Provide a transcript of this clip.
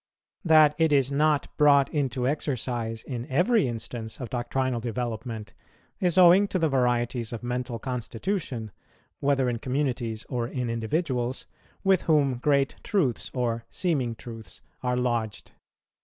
That it is not brought into exercise in every instance of doctrinal development is owing to the varieties of mental constitution, whether in communities or in individuals, with whom great truths or seeming truths are lodged.